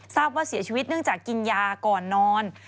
ทราบว่าเสียชีวิตเนื่องจากกินยาก่อนนอน